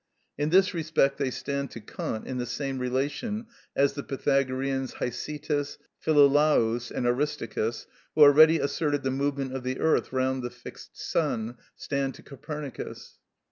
In this respect they stand to Kant in the same relation as the Pythagoreans Hicetas, Philolaus, and Aristarchus, who already asserted the movement of the earth round the fixed sun, stand to Copernicus.